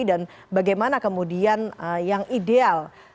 dan bagaimana kemudian yang ideal